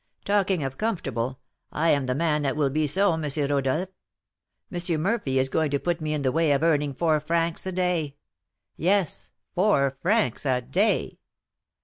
Talking of comfortable, I am the man that will be so, M. Rodolph! M. Murphy is going to put me in the way of earning four francs a day, yes, four francs a day!"